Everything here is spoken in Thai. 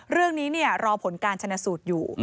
เรื่องนี้รอผลการชนะสูตรอยู่